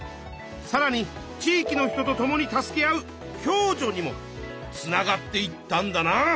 さらに地いきの人と共に助け合う共助にもつながっていったんだな。